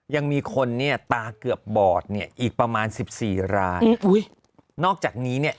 ยังมีคนเนี่ยตาเกือบบอดเนี่ยอีกประมาณสิบสี่รายอุ้ยนอกจากนี้เนี่ย